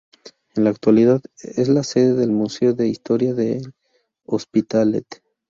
En la actualidad es la sede del Museo de Historia del Hospitalet.